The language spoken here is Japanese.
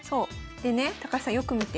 でね高橋さんよく見て。